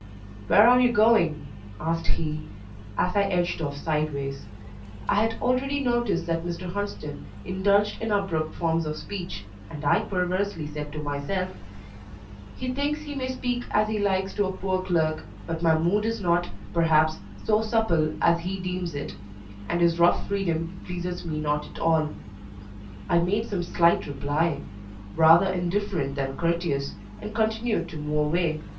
"Where are you going?" asked he, as I edged off sideways. I had already noticed that Mr. Hunsden indulged in abrupt forms of speech, and I perversely said to myself "He thinks he may speak as he likes to a poor clerk; but my mood is not, perhaps, so supple as he deems it, and his rough freedom pleases me not at all." I made some slight reply, rather indifferent than courteous, and continued to move away.